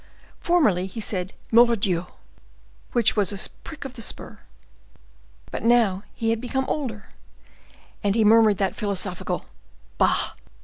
Formerly he said, "Mordioux!" which was a prick of the spur, but now he had become older, and he murmured that philosophical "Bah!"